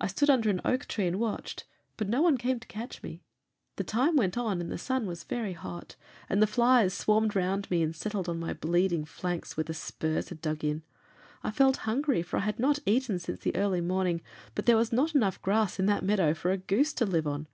I stood under an oak tree and watched, but no one came to catch me. The time went on, and the sun was very hot; the flies swarmed round me and settled on my bleeding flanks where the spurs had dug in. I felt hungry, for I had not eaten since the early morning, but there was not enough grass in that meadow for a goose to live on.